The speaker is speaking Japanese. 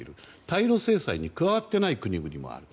対ロ制裁に加わっていない国々もある。